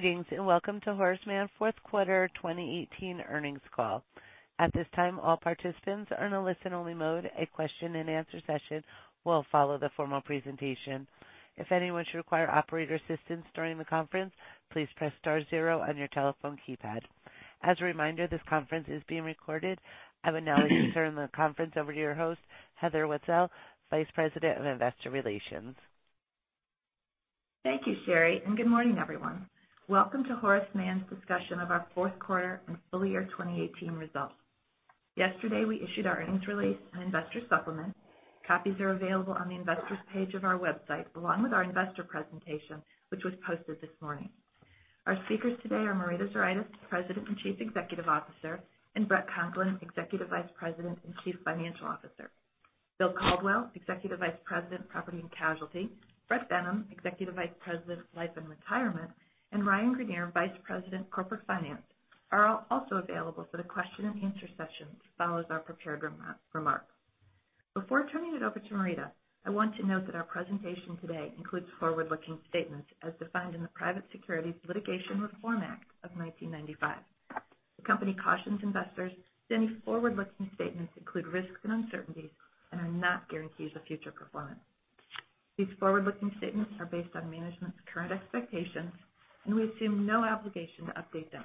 Greetings. Welcome to Horace Mann fourth quarter 2018 earnings call. At this time, all participants are in a listen-only mode. A question and answer session will follow the formal presentation. If anyone should require operator assistance during the conference, please press star zero on your telephone keypad. As a reminder, this conference is being recorded. I would now like to turn the conference over to your host, Heather Wietzel, Vice President of Investor Relations. Thank you, Sherry. Good morning, everyone. Welcome to Horace Mann's discussion of our fourth quarter and full year 2018 results. Yesterday, we issued our earnings release and investor supplement. Copies are available on the investors page of our website, along with our investor presentation, which was posted this morning. Our speakers today are Marita Zuraitis, President and Chief Executive Officer, and Bret Conklin, Executive Vice President and Chief Financial Officer. William Caldwell, Executive Vice President, Property and Casualty, Bret Benham, Executive Vice President, Life and Retirement, and Ryan Greenier, Vice President, Corporate Finance, are all also available for the question and answer session that follows our prepared remarks. Before turning it over to Marita, I want to note that our presentation today includes forward-looking statements as defined in the Private Securities Litigation Reform Act of 1995. The company cautions investors that any forward-looking statements include risks and uncertainties and are not guarantees of future performance. These forward-looking statements are based on management's current expectations. We assume no obligation to update them.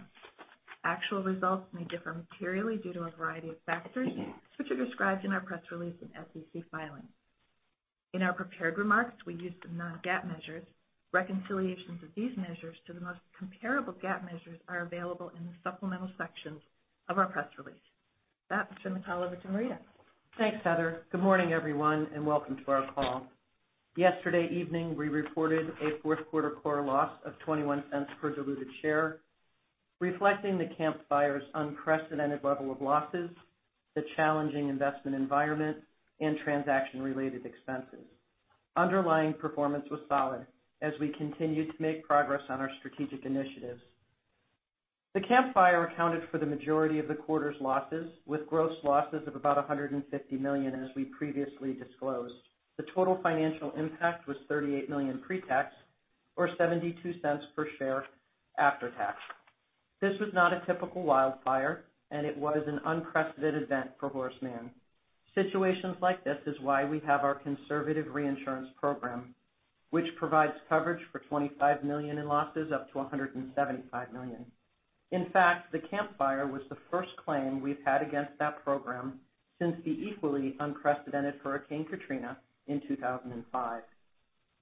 Actual results may differ materially due to a variety of factors, which are described in our press release and SEC filings. In our prepared remarks, we use some non-GAAP measures. Reconciliations of these measures to the most comparable GAAP measures are available in the supplemental sections of our press release. With that, I'll turn the call over to Marita. Thanks, Heather. Good morning, everyone. Welcome to our call. Yesterday evening, we reported a fourth quarter core loss of $0.21 per diluted share, reflecting the Camp Fire's unprecedented level of losses, the challenging investment environment, and transaction-related expenses. Underlying performance was solid as we continued to make progress on our strategic initiatives. The Camp Fire accounted for the majority of the quarter's losses, with gross losses of about $150 million as we previously disclosed. The total financial impact was $38 million pre-tax, or $0.72 per share after tax. This was not a typical wildfire, and it was an unprecedented event for Horace Mann. Situations like this is why we have our conservative reinsurance program, which provides coverage for $25 million in losses up to $175 million. In fact, the Camp Fire was the first claim we've had against that program since the equally unprecedented Hurricane Katrina in 2005.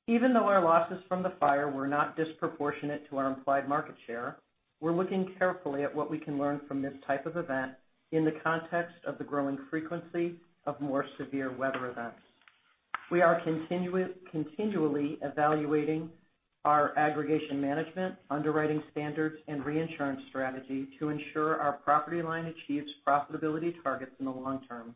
Even though our losses from the fire were not disproportionate to our implied market share, we're looking carefully at what we can learn from this type of event in the context of the growing frequency of more severe weather events. We are continually evaluating our aggregation management, underwriting standards, and reinsurance strategy to ensure our property line achieves profitability targets in the long term.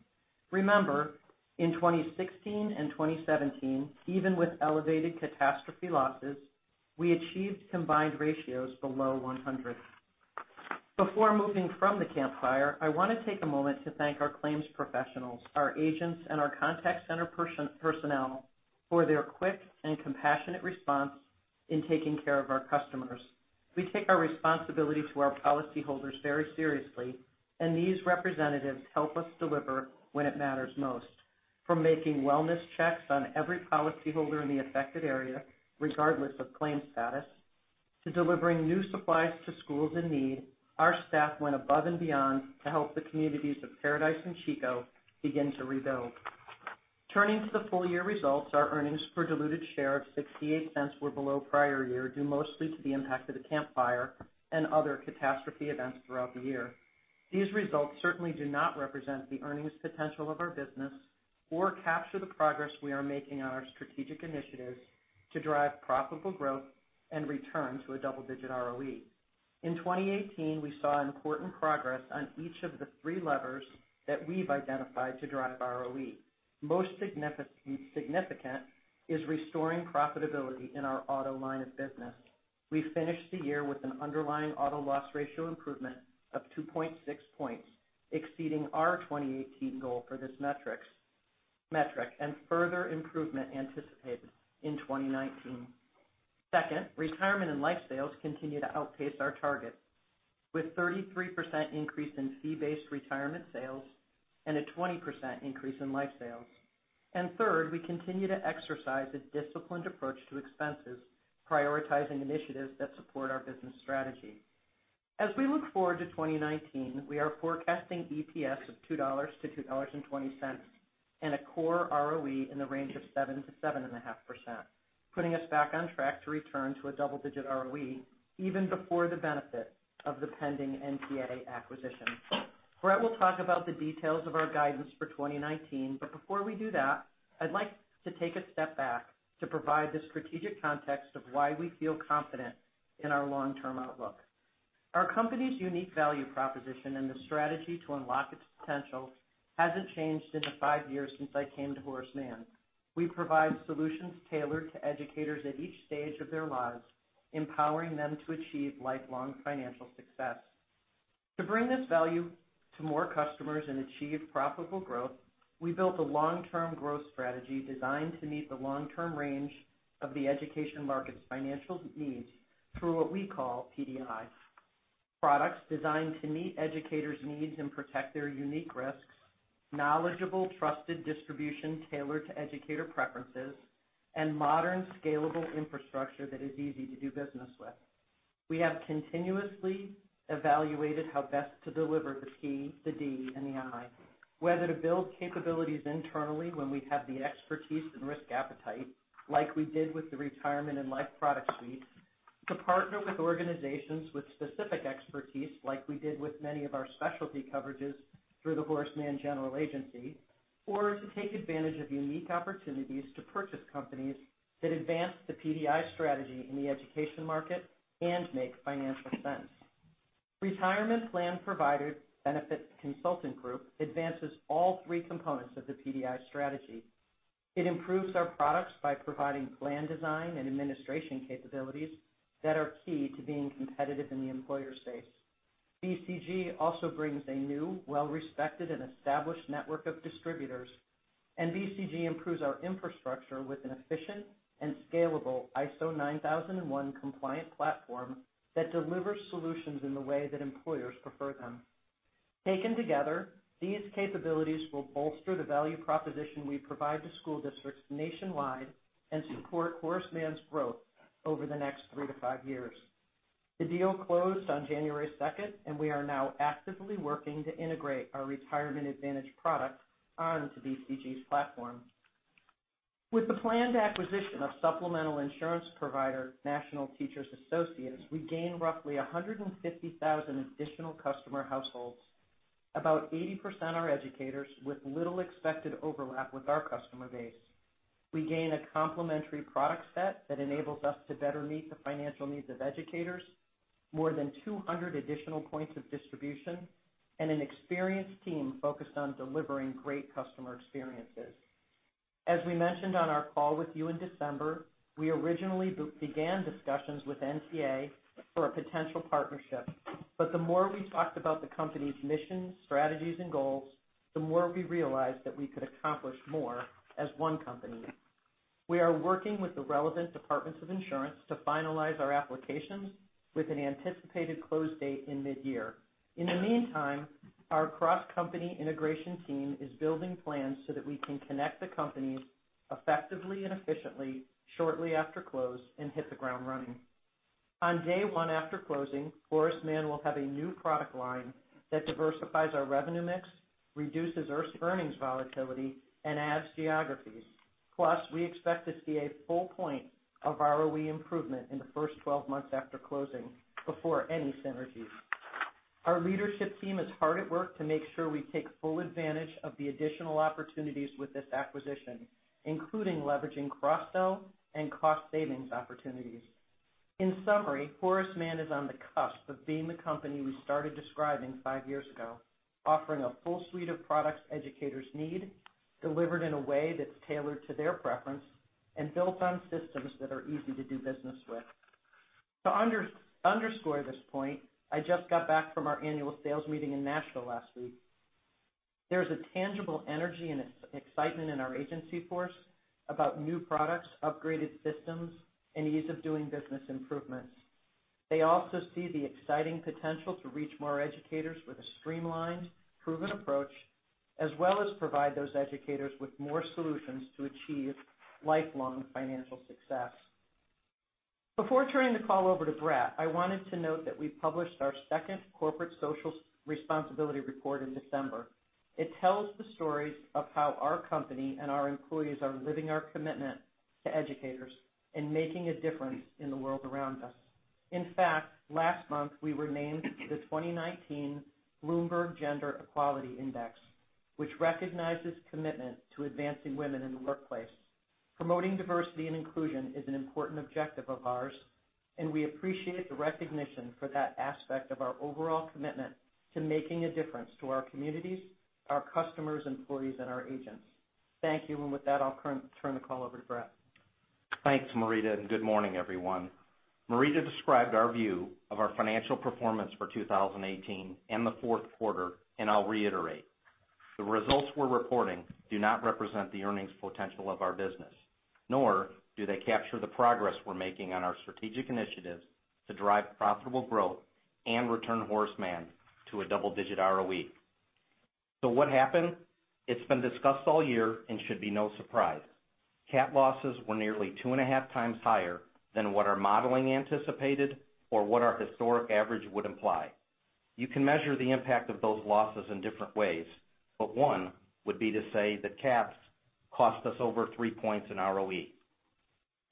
Remember, in 2016 and 2017, even with elevated catastrophe losses, we achieved combined ratios below 100. Before moving from the Camp Fire, I want to take a moment to thank our claims professionals, our agents, and our contact center personnel for their quick and compassionate response in taking care of our customers. We take our responsibility to our policyholders very seriously, and these representatives help us deliver when it matters most. From making wellness checks on every policyholder in the affected area, regardless of claim status, to delivering new supplies to schools in need, our staff went above and beyond to help the communities of Paradise and Chico begin to rebuild. Turning to the full-year results, our earnings per diluted share of $0.68 were below prior year, due mostly to the impact of the Camp Fire and other catastrophe events throughout the year. These results certainly do not represent the earnings potential of our business or capture the progress we are making on our strategic initiatives to drive profitable growth and return to a double-digit ROE. In 2018, we saw important progress on each of the three levers that we've identified to drive ROE. Most significant is restoring profitability in our auto line of business. We finished the year with an underlying auto loss ratio improvement of 2.6 points, exceeding our 2018 goal for this metric, and further improvement anticipated in 2019. Second, retirement and life sales continue to outpace our targets, with 33% increase in fee-based retirement sales and a 20% increase in life sales. Third, we continue to exercise a disciplined approach to expenses, prioritizing initiatives that support our business strategy. As we look forward to 2019, we are forecasting EPS of $2-$2.20 and a core ROE in the range of 7%-7.5%, putting us back on track to return to a double-digit ROE even before the benefit of the pending NTA acquisition. Bret will talk about the details of our guidance for 2019, but before we do that, I'd like to take a step back to provide the strategic context of why we feel confident in our long-term outlook. Our company's unique value proposition and the strategy to unlock its potential hasn't changed in the five years since I came to Horace Mann. We provide solutions tailored to educators at each stage of their lives, empowering them to achieve lifelong financial success. To bring this value to more customers and achieve profitable growth, we built a long-term growth strategy designed to meet the long-term range of the education market's financial needs through what we call PDI. Products designed to meet educators' needs and protect their unique risks, knowledgeable, trusted distribution tailored to educator preferences, and modern, scalable infrastructure that is easy to do business with. We have continuously evaluated how best to deliver the P, the D, and the I, whether to build capabilities internally when we have the expertise and risk appetite, like we did with the Retirement and Life product suite, to partner with organizations with specific expertise, like we did with many of our specialty coverages through the Horace Mann General Agency, or to take advantage of unique opportunities to purchase companies that advance the PDI strategy in the education market and make financial sense. Retirement plan provider Benefit Consultants Group advances all three components of the PDI strategy. It improves our products by providing plan design and administration capabilities that are key to being competitive in the employer space. BCG also brings a new, well-respected, and established network of distributors. BCG improves our infrastructure with an efficient and scalable ISO 9001 compliant platform that delivers solutions in the way that employers prefer them. Taken together, these capabilities will bolster the value proposition we provide to school districts nationwide and support Horace Mann's growth over the next three to five years. The deal closed on January 2nd. We are now actively working to integrate our Retirement Advantage product onto BCG's platform. With the planned acquisition of supplemental insurance provider, National Teachers Associates, we gain roughly 150,000 additional customer households. About 80% are educators with little expected overlap with our customer base. We gain a complementary product set that enables us to better meet the financial needs of educators, more than 200 additional points of distribution, and an experienced team focused on delivering great customer experiences. As we mentioned on our call with you in December, we originally began discussions with NTA for a potential partnership, but the more we talked about the company's mission, strategies, and goals, the more we realized that we could accomplish more as one company. We are working with the relevant Departments of Insurance to finalize our applications with an anticipated close date in mid-year. In the meantime, our cross-company integration team is building plans so that we can connect the companies effectively and efficiently shortly after close and hit the ground running. On day one after closing, Horace Mann will have a new product line that diversifies our revenue mix, reduces our earnings volatility, and adds geographies. We expect to see a full point of ROE improvement in the first 12 months after closing before any synergies. Our leadership team is hard at work to make sure we take full advantage of the additional opportunities with this acquisition, including leveraging cross-sell and cost savings opportunities. In summary, Horace Mann is on the cusp of being the company we started describing five years ago, offering a full suite of products educators need, delivered in a way that's tailored to their preference, and built on systems that are easy to do business with. To underscore this point, I just got back from our annual sales meeting in Nashville last week. There's a tangible energy and excitement in our agency force about new products, upgraded systems, and ease of doing business improvements. They also see the exciting potential to reach more educators with a streamlined, proven approach, as well as provide those educators with more solutions to achieve lifelong financial success. Before turning the call over to Bret, I wanted to note that we published our second corporate social responsibility report in December. It tells the stories of how our company and our employees are living our commitment to educators and making a difference in the world around us. In fact, last month, we were named the 2019 Bloomberg Gender-Equality Index, which recognizes commitment to advancing women in the workplace. Promoting diversity and inclusion is an important objective of ours, and we appreciate the recognition for that aspect of our overall commitment to making a difference to our communities, our customers, employees, and our agents. Thank you. With that, I'll turn the call over to Bret. Thanks, Marita, good morning, everyone. Marita described our view of our financial performance for 2018 and the fourth quarter. I'll reiterate. The results we're reporting do not represent the earnings potential of our business, nor do they capture the progress we're making on our strategic initiatives to drive profitable growth and return Horace Mann to a double-digit ROE. What happened? It's been discussed all year and should be no surprise. Cat losses were nearly two and a half times higher than what our modeling anticipated or what our historic average would imply. You can measure the impact of those losses in different ways, but one would be to say that cats cost us over three points in ROE.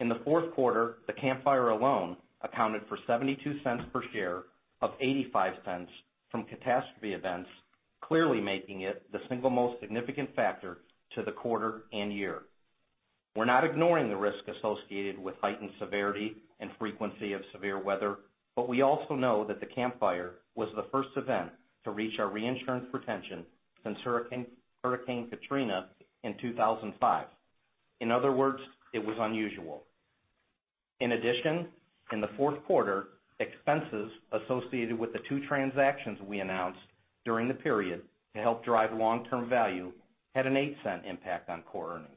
In the fourth quarter, the Camp Fire alone accounted for $0.72 per share of $0.85 from catastrophe events, clearly making it the single most significant factor to the quarter and year. We're not ignoring the risk associated with heightened severity and frequency of severe weather, but we also know that the Camp Fire was the first event to reach our reinsurance retention since Hurricane Katrina in 2005. In other words, it was unusual. In addition, in the fourth quarter, expenses associated with the two transactions we announced during the period to help drive long-term value had an $0.08 impact on core earnings.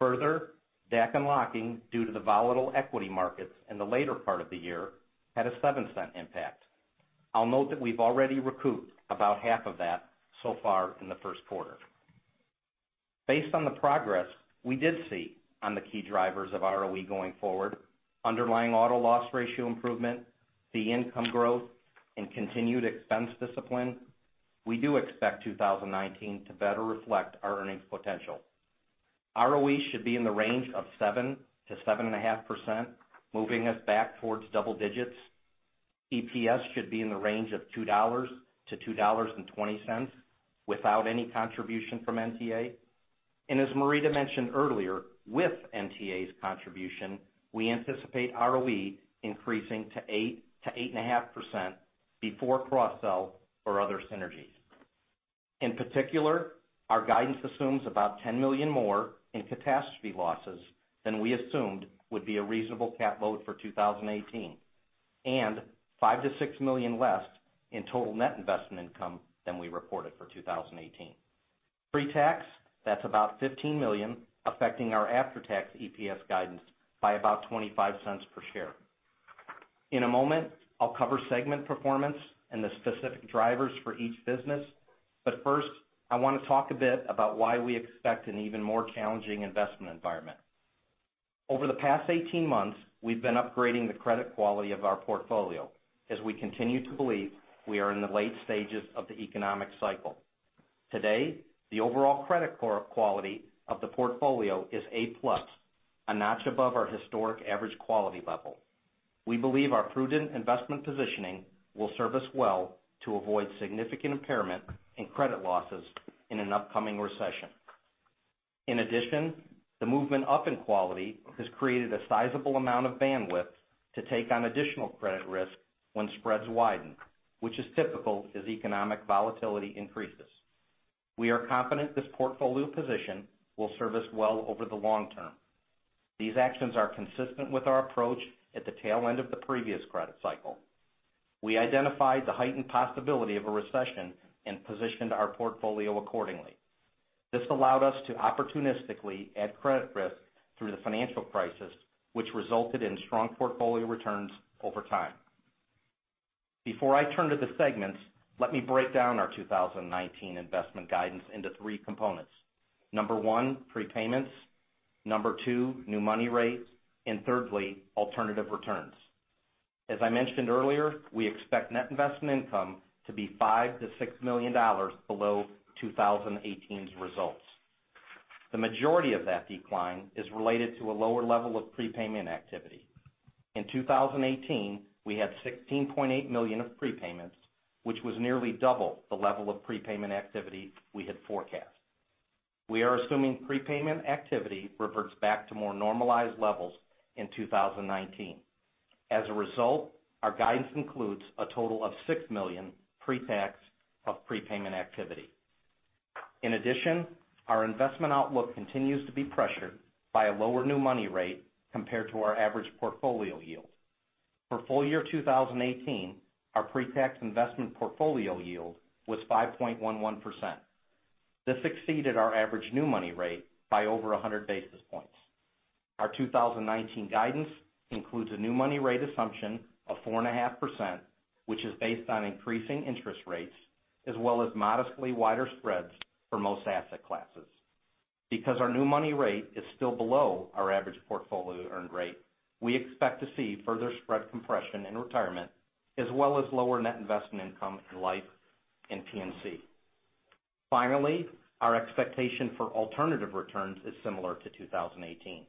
Further, DAC unlocking due to the volatile equity markets in the later part of the year had a $0.07 impact. I'll note that we've already recouped about half of that so far in the first quarter. Based on the progress we did see on the key drivers of ROE going forward, underlying auto loss ratio improvement, fee income growth, and continued expense discipline, we do expect 2019 to better reflect our earnings potential. ROE should be in the range of 7%-7.5%, moving us back towards double digits. EPS should be in the range of $2-$2.20 without any contribution from NTA. As Marita mentioned earlier, with NTA's contribution, we anticipate ROE increasing to 8%-8.5% before cross sell or other synergies. In particular, our guidance assumes about $10 million more in catastrophe losses than we assumed would be a reasonable cat load for 2018, and $5 million-$6 million less in total net investment income than we reported for 2018. Pre-tax, that's about $15 million, affecting our after-tax EPS guidance by about $0.25 per share. In a moment, I'll cover segment performance and the specific drivers for each business. First, I want to talk a bit about why we expect an even more challenging investment environment. Over the past 18 months, we've been upgrading the credit quality of our portfolio as we continue to believe we are in the late stages of the economic cycle. Today, the overall credit quality of the portfolio is A+, a notch above our historic average quality level. We believe our prudent investment positioning will serve us well to avoid significant impairment and credit losses in an upcoming recession. In addition, the movement up in quality has created a sizable amount of bandwidth to take on additional credit risk when spreads widen, which is typical as economic volatility increases. We are confident this portfolio position will serve us well over the long term. These actions are consistent with our approach at the tail end of the previous credit cycle. We identified the heightened possibility of a recession and positioned our portfolio accordingly. This allowed us to opportunistically add credit risk through the financial crisis, which resulted in strong portfolio returns over time. Before I turn to the segments, let me break down our 2019 investment guidance into three components. Number one, prepayments, number two, new money rates, and thirdly, alternative returns. As I mentioned earlier, we expect net investment income to be $5 million to $6 million below 2018's results. The majority of that decline is related to a lower level of prepayment activity. In 2018, we had $16.8 million of prepayments, which was nearly double the level of prepayment activity we had forecast. We are assuming prepayment activity reverts back to more normalized levels in 2019. As a result, our guidance includes a total of $6 million pre-tax of prepayment activity. In addition, our investment outlook continues to be pressured by a lower new money rate compared to our average portfolio yield. For full year 2018, our pre-tax investment portfolio yield was 5.11%. This exceeded our average new money rate by over 100 basis points. Our 2019 guidance includes a new money rate assumption of 4.5%, which is based on increasing interest rates, as well as modestly wider spreads for most asset classes. Because our new money rate is still below our average portfolio earned rate, we expect to see further spread compression in retirement, as well as lower net investment income in life and P&C. Finally, our expectation for alternative returns is similar to 2018.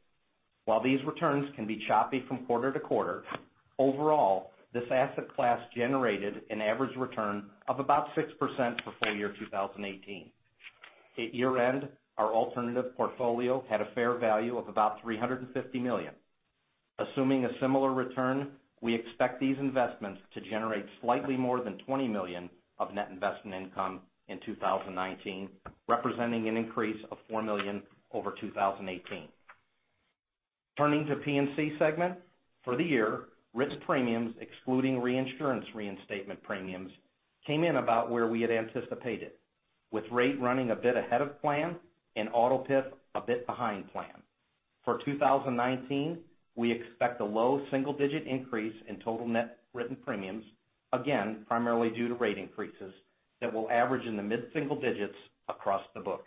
While these returns can be choppy from quarter to quarter, overall, this asset class generated an average return of about 6% for full year 2018. At year end, our alternative portfolio had a fair value of about $350 million. Assuming a similar return, we expect these investments to generate slightly more than $20 million of net investment income in 2019, representing an increase of $4 million over 2018. Turning to P&C segment. For the year, risk premiums, excluding reinsurance reinstatement premiums, came in about where we had anticipated, with rate running a bit ahead of plan and auto PIF a bit behind plan. For 2019, we expect a low single-digit increase in total net written premiums, again, primarily due to rate increases that will average in the mid-single digits across the book.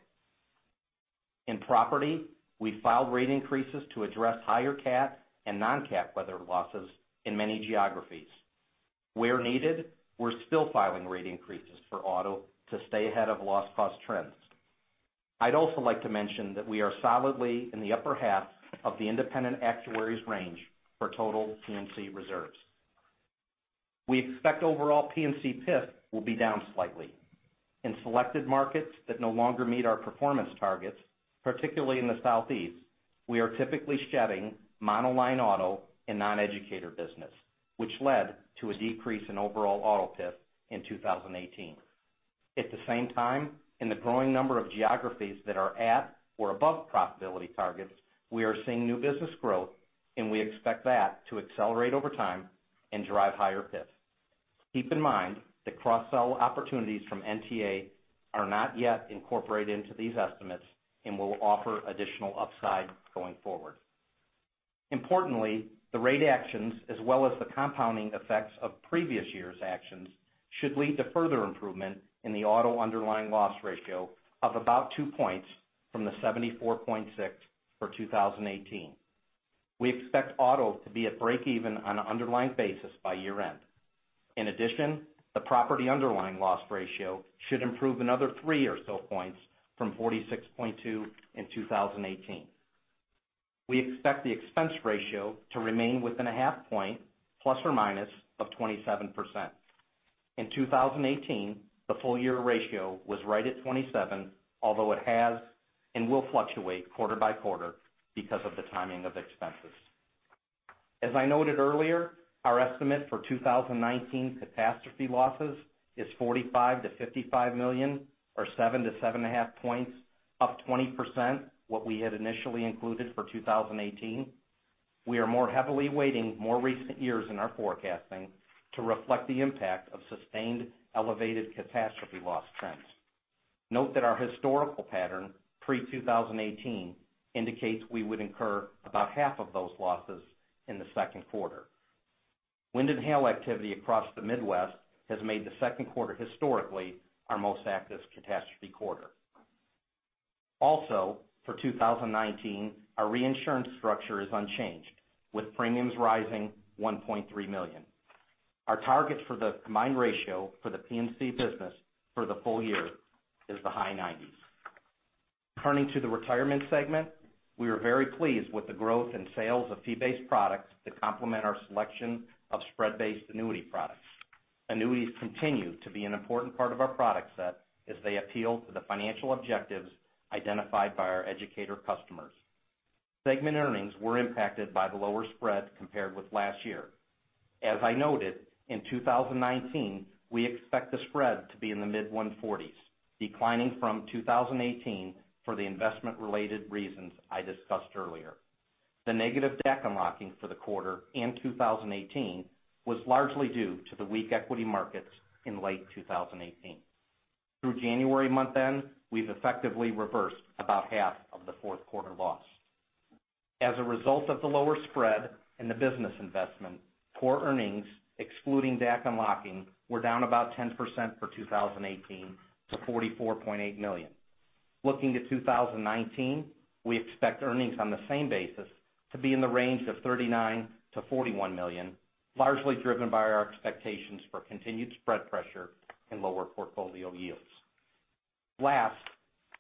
In property, we filed rate increases to address higher cat and non-cat weather losses in many geographies. Where needed, we're still filing rate increases for auto to stay ahead of loss cost trends. I'd also like to mention that we are solidly in the upper half of the independent actuaries range for total P&C reserves. We expect overall P&C PIF will be down slightly. In selected markets that no longer meet our performance targets, particularly in the Southeast, we are typically shedding monoline auto and non-educator business, which led to a decrease in overall auto PIF in 2018. At the same time, in the growing number of geographies that are at or above profitability targets, we are seeing new business growth, and we expect that to accelerate over time and drive higher PIF. Keep in mind that cross-sell opportunities from NTA are not yet incorporated into these estimates and will offer additional upside going forward. Importantly, the rate actions, as well as the compounding effects of previous years' actions, should lead to further improvement in the auto underlying loss ratio of about two points from the 74.6 for 2018. We expect auto to be at breakeven on an underlying basis by year-end. In addition, the property underlying loss ratio should improve another three or so points from 46.2 in 2018. We expect the expense ratio to remain within a half point, plus or minus, of 27%. In 2018, the full-year ratio was right at 27, although it has and will fluctuate quarter by quarter because of the timing of expenses. As I noted earlier, our estimate for 2019 catastrophe losses is $45 million-$55 million, or 7-7.5 points, up 20% what we had initially included for 2018. We are more heavily weighting more recent years in our forecasting to reflect the impact of sustained elevated catastrophe loss trends. Note that our historical pattern pre-2018 indicates we would incur about half of those losses in the second quarter. Wind and hail activity across the Midwest has made the second quarter historically our most active catastrophe quarter. Also, for 2019, our reinsurance structure is unchanged, with premiums rising $1.3 million. Our targets for the combined ratio for the P&C business for the full year is the high 90s. Turning to the Retirement segment, we are very pleased with the growth in sales of fee-based products that complement our selection of spread-based annuity products. Annuities continue to be an important part of our product set as they appeal to the financial objectives identified by our educator customers. Segment earnings were impacted by the lower spread compared with last year. As I noted, in 2019, we expect the spread to be in the mid-140s, declining from 2018 for the investment-related reasons I discussed earlier. The negative DAC unlocking for the quarter in 2018 was largely due to the weak equity markets in late 2018. Through January month-end, we've effectively reversed about half of the fourth quarter loss. As a result of the lower spread and the business investment, core earnings, excluding DAC unlocking, were down about 10% for 2018 to $44.8 million. Looking to 2019, we expect earnings on the same basis to be in the range of $39 million-$41 million, largely driven by our expectations for continued spread pressure and lower portfolio yields. Last,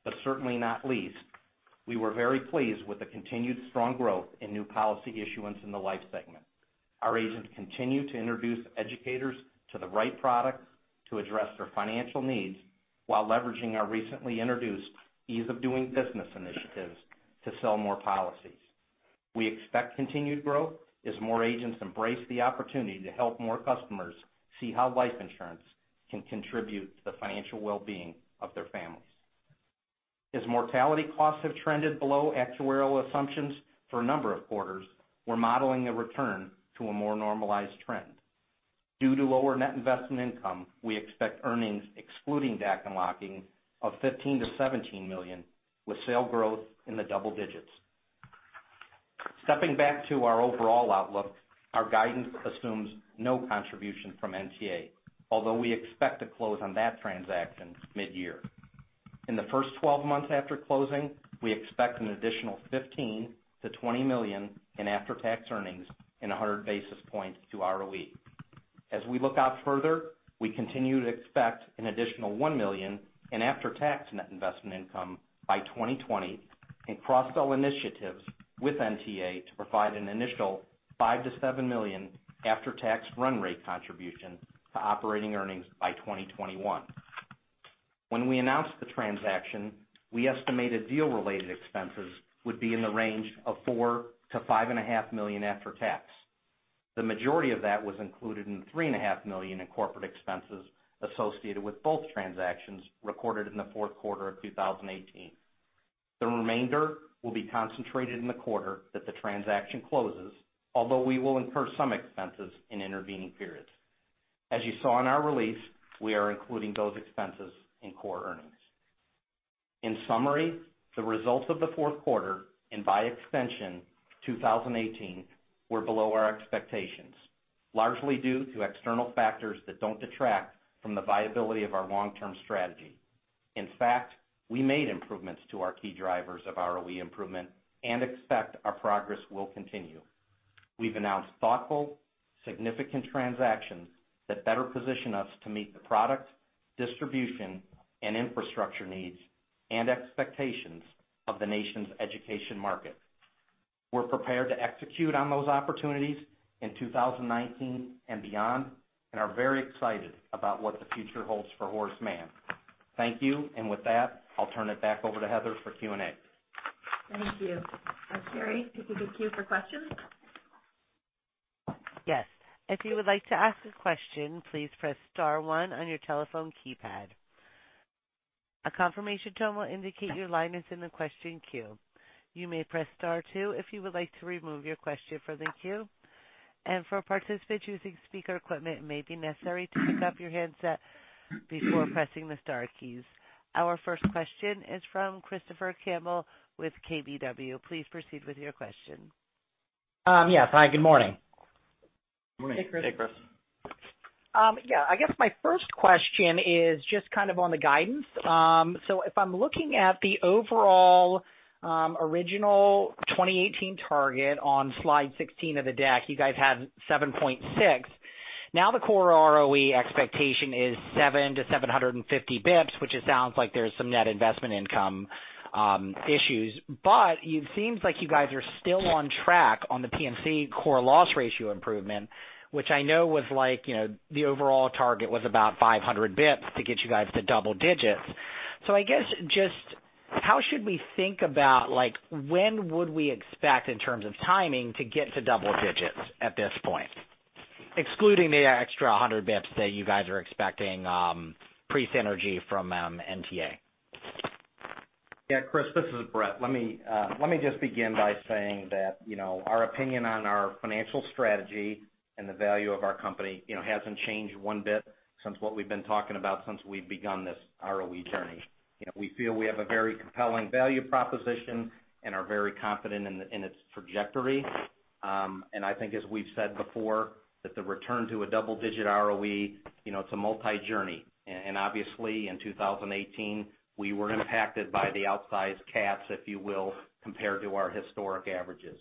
but certainly not least, we were very pleased with the continued strong growth in new policy issuance in the Life segment. Our agents continue to introduce educators to the right products to address their financial needs while leveraging our recently introduced ease of doing business initiatives to sell more policies. We expect continued growth as more agents embrace the opportunity to help more customers see how life insurance can contribute to the financial well-being of their families. As mortality costs have trended below actuarial assumptions for a number of quarters, we are modeling a return to a more normalized trend. Due to lower net investment income, we expect earnings excluding DAC unlocking of $15 million-$17 million with sale growth in the double digits. Stepping back to our overall outlook, our guidance assumes no contribution from NTA, although we expect to close on that transaction mid-year. In the first 12 months after closing, we expect an additional $15 million-$20 million in after-tax earnings and 100 basis points to ROE. We look out further, we continue to expect an additional $1 million in after-tax net investment income by 2020 and cross-sell initiatives with NTA to provide an initial $5 million-$7 million after-tax run rate contribution to operating earnings by 2021. When we announced the transaction, we estimated deal-related expenses would be in the range of $4 million-$5.5 million after tax. The majority of that was included in the $3.5 million in corporate expenses associated with both transactions recorded in the fourth quarter of 2018. The remainder will be concentrated in the quarter that the transaction closes, although we will incur some expenses in intervening periods. As you saw in our release, we are including those expenses in core earnings. In summary, the results of the fourth quarter, and by extension, 2018, were below our expectations, largely due to external factors that don't detract from the viability of our long-term strategy. In fact, we made improvements to our key drivers of ROE improvement and expect our progress will continue. We've announced thoughtful, significant transactions that better position us to meet the product, distribution, and infrastructure needs and expectations of the nation's education market. We're prepared to execute on those opportunities in 2019 and beyond and are very excited about what the future holds for Horace Mann. Thank you. With that, I'll turn it back over to Heather for Q&A. Thank you. Sherry, could you give queue for questions? Yes. If you would like to ask a question, please press star one on your telephone keypad. A confirmation tone will indicate your line is in the question queue. You may press star two if you would like to remove your question from the queue. For participants using speaker equipment, it may be necessary to pick up your handset before pressing the star keys. Our first question is from Christopher Campbell with KBW. Please proceed with your question. Yes, hi. Good morning. Morning. Hey, Chris. Hey, Chris. I guess my first question is just kind of on the guidance. If I'm looking at the overall original 2018 target on slide 16 of the deck, you guys had 7.6. Now the core ROE expectation is 700 to 750 basis points, which it sounds like there's some net investment income issues. It seems like you guys are still on track on the P&C core loss ratio improvement, which I know the overall target was about 500 basis points to get you guys to double digits. I guess just how should we think about when would we expect in terms of timing to get to double digits at this point, excluding the extra 100 basis points that you guys are expecting pre-synergy from NTA? Yeah. Chris, this is Bret. Let me just begin by saying that our opinion on our financial strategy and the value of our company hasn't changed one bit since what we've been talking about since we've begun this ROE journey. We feel we have a very compelling value proposition and are very confident in its trajectory. I think as we've said before, that the return to a double-digit ROE, it's a multi journey. Obviously in 2018, we were impacted by the outsized cats, if you will, compared to our historic averages.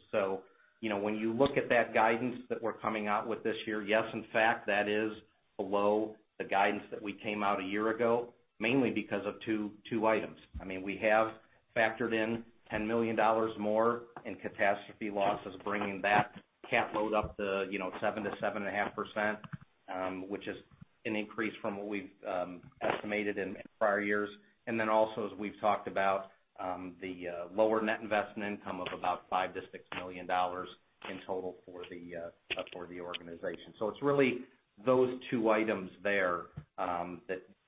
When you look at that guidance that we're coming out with this year, yes, in fact, that is below the guidance that we came out a year ago, mainly because of two items. We have factored in $10 million more in catastrophe losses, bringing that cat load up to seven to 7.5%, which is an increase from what we've estimated in prior years. Also as we've talked about, the lower net investment income of about $5 million to $6 million in total for the organization. It's really those two items there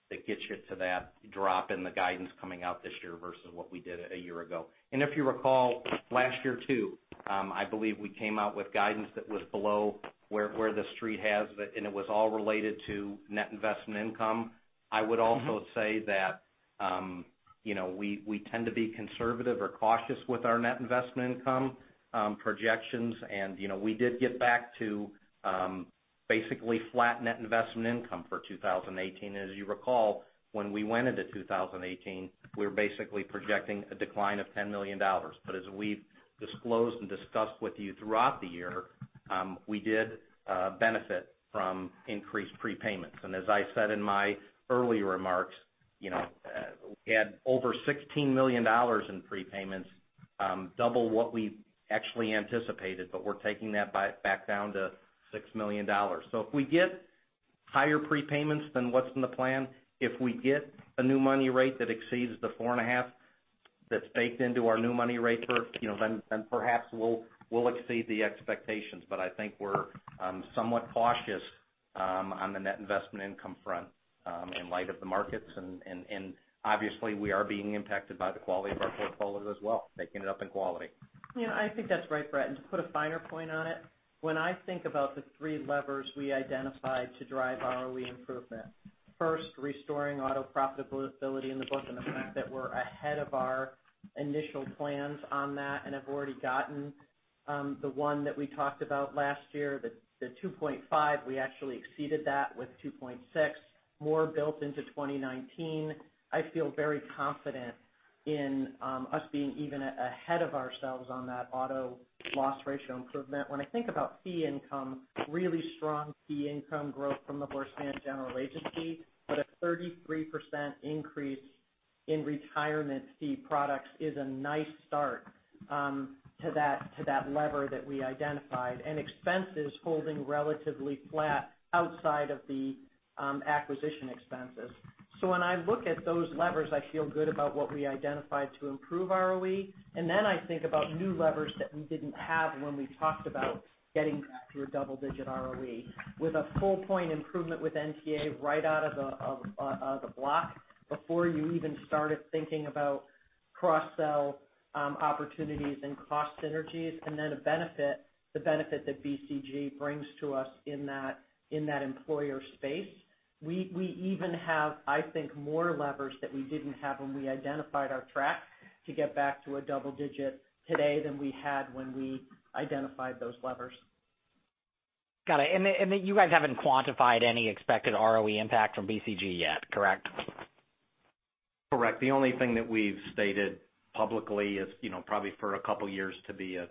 that gets you to that drop in the guidance coming out this year versus what we did a year ago. If you recall, last year too, I believe we came out with guidance that was below where the Street has, and it was all related to net investment income. I would also say that we tend to be conservative or cautious with our net investment income projections, and we did get back to basically flat net investment income for 2018. As you recall, when we went into 2018, we were basically projecting a decline of $10 million. As we've disclosed and discussed with you throughout the year, we did benefit from increased prepayments. As I said in my earlier remarks, we had over $16 million in prepayments, double what we actually anticipated, but we're taking that back down to $6 million. If we get higher prepayments than what's in the plan, if we get a new money rate that exceeds the four and a half that's baked into our new money rate, then perhaps we'll exceed the expectations. I think we're somewhat cautious on the net investment income front in light of the markets, and obviously we are being impacted by the quality of our portfolio as well, making it up in quality. Yeah, I think that's right, Bret. To put a finer point on it, when I think about the three levers we identified to drive ROE improvement, first, restoring auto profitability in the book, and the fact that we're ahead of our initial plans on that and have already gotten the one that we talked about last year, the 2.5, we actually exceeded that with 2.6 more built into 2019. I feel very confident in us being even ahead of ourselves on that auto loss ratio improvement. When I think about fee income, really strong fee income growth from the Horace Mann General Agency, a 33% increase in retirement fee products is a nice start to that lever that we identified, expenses holding relatively flat outside of the acquisition expenses. When I look at those levers, I feel good about what we identified to improve ROE, and then I think about new levers that we didn't have when we talked about getting back to a double-digit ROE. With a full-point improvement with NTA right out of the block before you even started thinking about cross-sell opportunities and cost synergies, and then the benefit that BCG brings to us in that employer space. We even have, I think, more levers that we didn't have when we identified our track to get back to a double digit today than we had when we identified those levers. Got it. You guys haven't quantified any expected ROE impact from BCG yet, correct? Correct. The only thing that we've stated publicly is probably for a couple of years to be a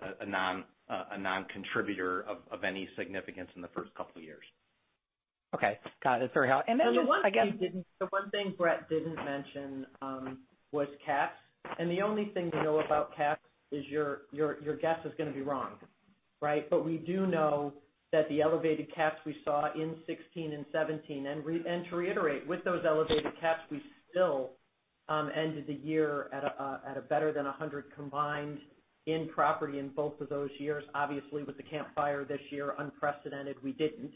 non-contributor of any significance in the first couple of years. Okay. Got it. That's very helpful. The one thing Bret didn't mention was cats. The only thing to know about cats is your guess is going to be wrong. Right? We do know that the elevated cats we saw in 2016 and 2017, and to reiterate, with those elevated cats, we still ended the year at a better than 100 combined in property in both of those years. Obviously, with the Camp Fire this year, unprecedented, we didn't.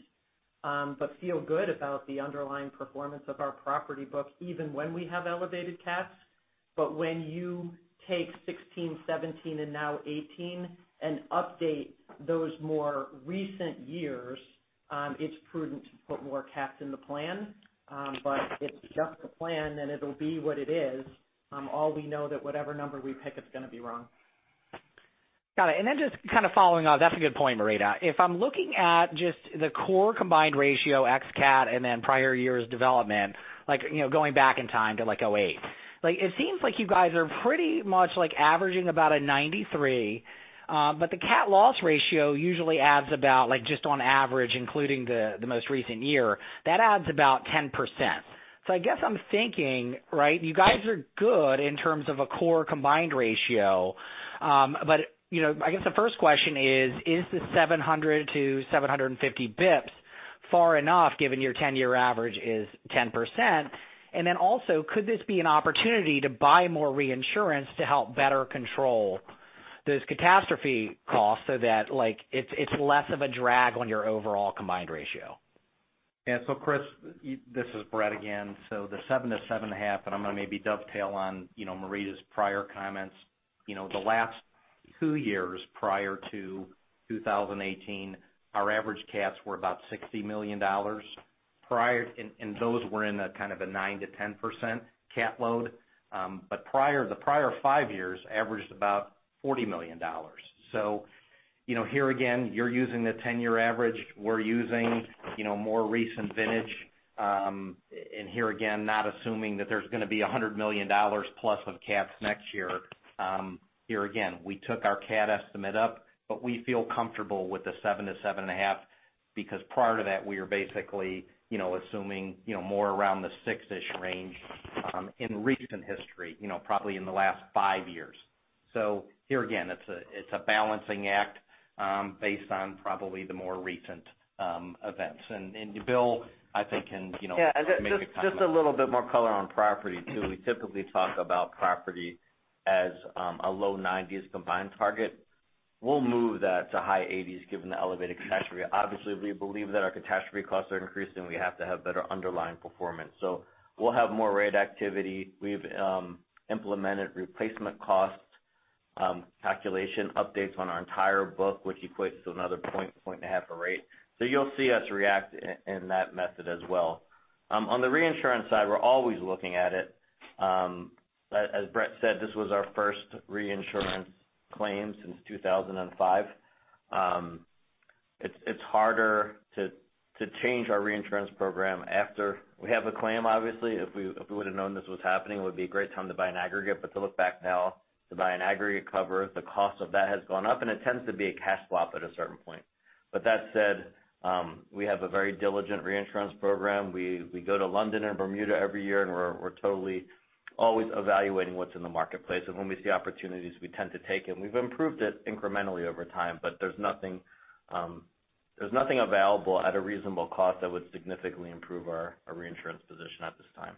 Feel good about the underlying performance of our property book, even when we have elevated cats. When you take 2016, 2017, and now 2018, and update those more recent years, it's prudent to put more cats in the plan. It's just a plan, and it'll be what it is. All we know that whatever number we pick, it's going to be wrong. Got it. Just kind of following on, that's a good point, Marita. If I'm looking at just the core combined ratio ex cat and then prior years development, going back in time to 2008. It seems like you guys are pretty much averaging about a 93, but the cat loss ratio usually adds about, just on average, including the most recent year, that adds about 10%. I guess I'm thinking, you guys are good in terms of a core combined ratio. I guess the first question is the 700 to 750 bips far enough given your 10-year average is 10%? Also, could this be an opportunity to buy more reinsurance to help better control those catastrophe costs so that it's less of a drag on your overall combined ratio? Yeah. Chris, this is Bret again. The seven to seven and a half, and I'm going to maybe dovetail on Marita's prior comments. The last two years prior to 2018, our average cats were about $60 million, and those were in a kind of a 9%-10% cat load. The prior five years averaged about $40 million. Here again, you're using the 10-year average. We're using more recent vintage. Here again, not assuming that there's going to be $100 million plus of cats next year. Here again, we took our cat estimate up, we feel comfortable with the seven to seven and a half, because prior to that, we were basically assuming more around the six-ish range in recent history, probably in the last five years. Here again, it's a balancing act based on probably the more recent events. Bill, I think. Yeah. Just a little bit more color on property too. We typically talk about property as a low 90s combined target. We'll move that to high 80s given the elevated catastrophe. Obviously, we believe that our catastrophe costs are increasing, we have to have better underlying performance. We'll have more rate activity. We've implemented replacement cost calculation updates on our entire book, which equates to another point, 1.5 points of rate. You'll see us react in that method as well. On the reinsurance side, we're always looking at it. As Bret said, this was our first reinsurance claim since 2005. It's harder to change our reinsurance program after we have a claim, obviously. If we would've known this was happening, it would be a great time to buy an aggregate. To look back now to buy an aggregate cover, the cost of that has gone up, and it tends to be a cash swap at a certain point. That said, we have a very diligent reinsurance program. We go to London and Bermuda every year, and we're totally always evaluating what's in the marketplace. When we see opportunities, we tend to take it. We've improved it incrementally over time, but there's nothing available at a reasonable cost that would significantly improve our reinsurance position at this time.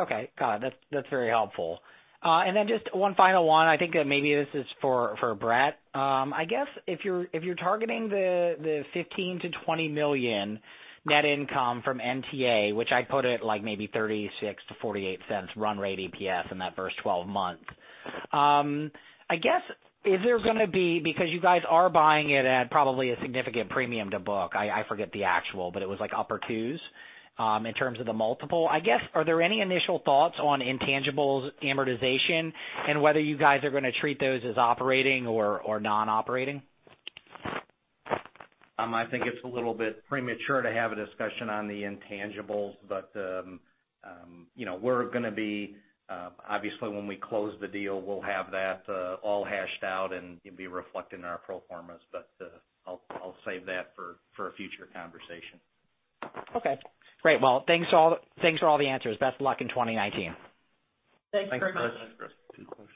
Okay. Got it. That's very helpful. Then just one final one. I think that maybe this is for Bret. I guess if you're targeting the $15 million-$20 million net income from NTA, which I put it like maybe $0.36-$0.48 run rate EPS in that first 12 month. I guess, is there going to be, because you guys are buying it at probably a significant premium to book. I forget the actual, but it was like upper 2s, in terms of the multiple. I guess, are there any initial thoughts on intangibles amortization and whether you guys are going to treat those as operating or non-operating? I think it's a little bit premature to have a discussion on the intangibles. Obviously when we close the deal, we'll have that all hashed out and it'll be reflected in our pro formas. I'll save that for a future conversation. Okay. Great. Well, thanks for all the answers. Best of luck in 2019. Thanks very much. Thanks, Chris.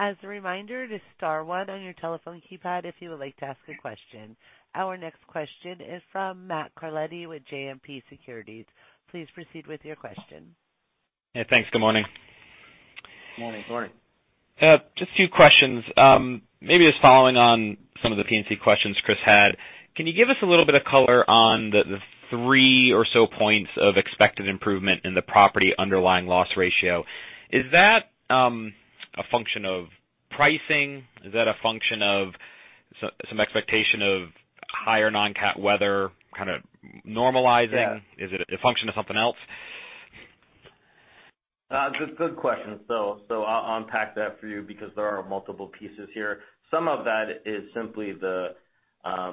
As a reminder, just star one on your telephone keypad if you would like to ask a question. Our next question is from Matthew Carletti with JMP Securities. Please proceed with your question. Yeah, thanks. Good morning. Morning. Morning. Just two questions. Maybe just following on some of the P&C questions Chris had. Can you give us a little bit of color on the three or so points of expected improvement in the property underlying loss ratio? Is that a function of pricing? Is that a function of some expectation of higher non-cat weather kind of normalizing? Yeah. Is it a function of something else? Good question. I'll unpack that for you because there are multiple pieces here. Some of that is simply the, I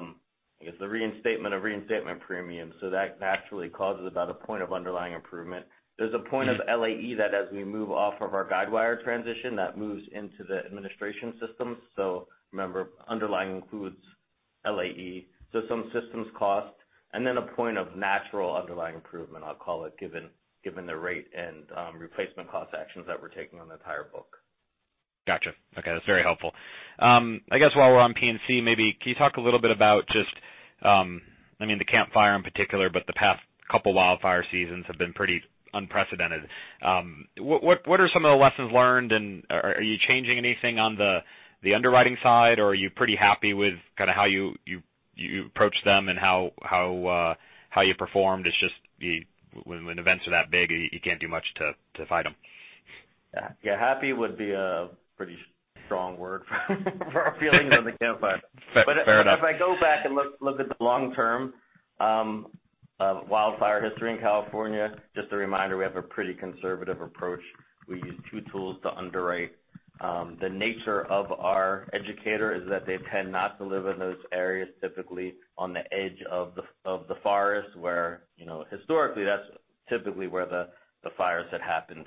guess, the reinstatement of reinstatement premium. That naturally causes about a point of underlying improvement. There's a point of LAE that as we move off of our Guidewire transition, that moves into the administration system. Remember, underlying includes LAE, some systems cost, and then a point of natural underlying improvement, I'll call it, given the rate and replacement cost actions that we're taking on the entire book. Gotcha. Okay, that's very helpful. I guess while we're on P&C, maybe can you talk a little bit about just, the Camp Fire in particular, but the past couple wildfire seasons have been pretty unprecedented. What are some of the lessons learned? Are you changing anything on the underwriting side, or are you pretty happy with how you approach them and how you performed? It's just when events are that big, you can't do much to fight them. Yeah, happy would be a pretty strong word for our feelings on the Camp Fire. Fair enough. If I go back and look at the long-term of wildfire history in California, just a reminder, we have a pretty conservative approach. We use two tools to underwrite. The nature of our educator is that they tend not to live in those areas, typically on the edge of the forest, where historically, that's typically where the fires had happened.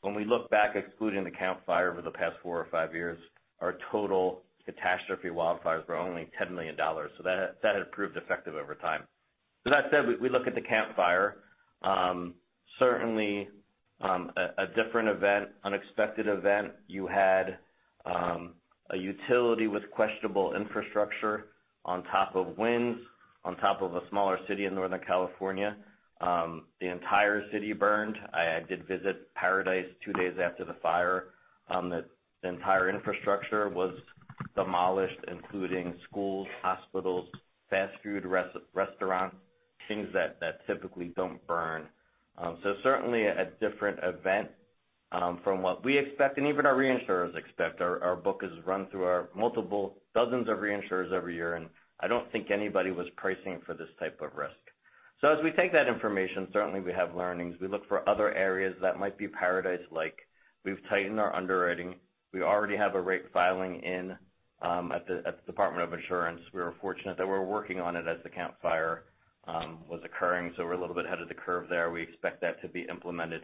When we look back, excluding the Camp Fire over the past four or five years, our total catastrophe wildfires were only $10 million. That has proved effective over time. That said, we look at the Camp Fire, certainly, a different event, unexpected event. You had a utility with questionable infrastructure on top of winds, on top of a smaller city in Northern California. The entire city burned. I did visit Paradise two days after the fire. The entire infrastructure was demolished, including schools, hospitals, fast food restaurants, things that typically don't burn. Certainly a different event from what we expect and even our reinsurers expect. Our book is run through our multiple dozens of reinsurers every year, I don't think anybody was pricing for this type of risk. As we take that information, certainly we have learnings. We look for other areas that might be Paradise-like. We've tightened our underwriting. We already have a rate filing in at the Department of Insurance. We were fortunate that we were working on it as the Camp Fire was occurring, we're a little bit ahead of the curve there. We expect that to be implemented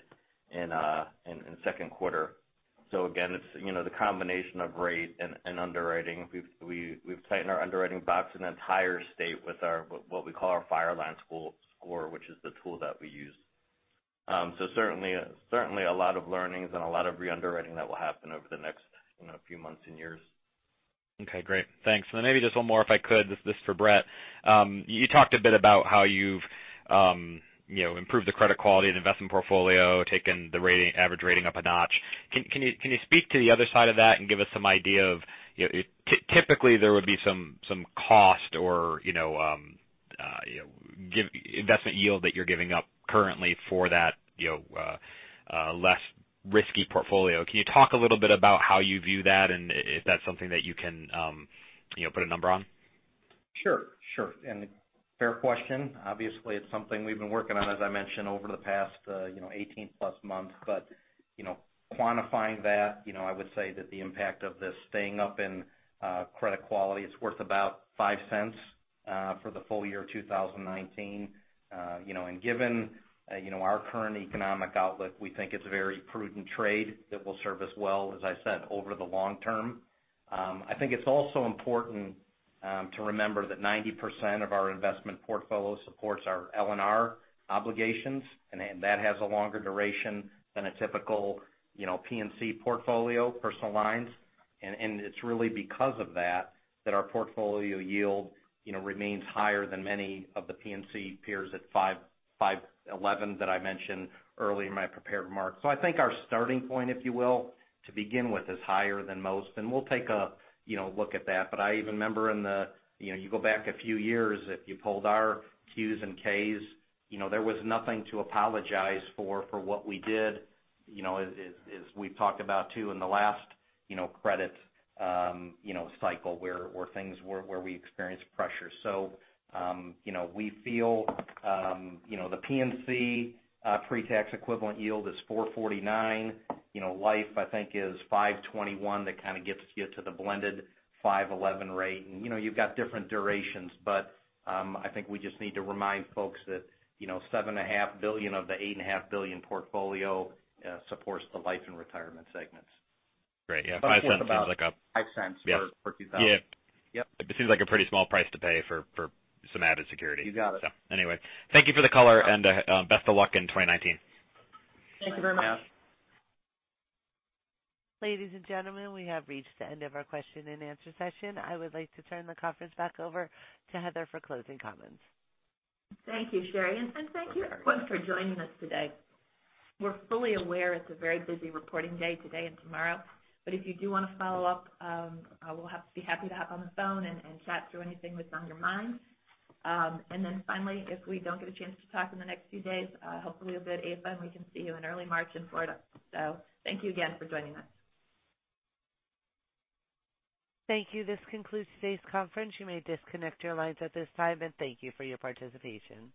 in second quarter. Again, it's the combination of rate and underwriting. We've tightened our underwriting box in the entire state with what we call our fire line score, which is the tool that we use. Certainly, a lot of learnings and a lot of re-underwriting that will happen over the next few months and years. Okay, great. Thanks. Then maybe just one more if I could. This is for Bret. You talked a bit about how you've improved the credit quality of the investment portfolio, taken the average rating up a notch. Can you speak to the other side of that and give us some idea of, typically there would be some cost or investment yield that you're giving up currently for that less risky portfolio. Can you talk a little bit about how you view that and if that's something that you can put a number on? Sure. Sure. Fair question. Obviously, it's something we've been working on, as I mentioned, over the past 18 plus months. Quantifying that, I would say that the impact of this staying up in credit quality, it's worth about $0.05 for the full year 2019. Given our current economic outlook, we think it's a very prudent trade that will serve us well, as I said, over the long term. I think it's also important to remember that 90% of our investment portfolio supports our L&R obligations, and that has a longer duration than a typical P&C portfolio, personal lines. It's really because of that our portfolio yield remains higher than many of the P&C peers at 511 that I mentioned earlier in my prepared remarks. I think our starting point, if you will, to begin with, is higher than most, and we'll take a look at that. I even remember you go back a few years, if you pulled our Qs and Ks, there was nothing to apologize for what we did, as we've talked about too, in the last credit cycle where we experienced pressure. We feel the P&C pre-tax equivalent yield is 449. Life, I think, is 521. That kind of gets you to the blended 511 rate. You've got different durations, but I think we just need to remind folks that $7.5 billion of the $8.5 billion portfolio supports the Life and Retirement segments. Great. Yeah. $0.05 seems like. $0.05 for 2,000. Yeah. Yep. It seems like a pretty small price to pay for some added security. You got it. Anyway, thank you for the call, and best of luck in 2019. Thank you very much. Ladies and gentlemen, we have reached the end of our question and answer session. I would like to turn the conference back over to Heather for closing comments. Thank you, Sherry. Thank you everyone for joining us today. We're fully aware it's a very busy reporting day today and tomorrow, but if you do want to follow up, we'll be happy to hop on the phone and chat through anything that's on your minds. Finally, if we don't get a chance to talk in the next few days, hopefully you'll be at AFA, and we can see you in early March in Florida. Thank you again for joining us. Thank you. This concludes today's conference. You may disconnect your lines at this time. Thank you for your participation.